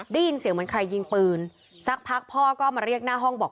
ได้ยินเสียงเหมือนใครยิงปืนสักพักพ่อก็มาเรียกหน้าห้องบอก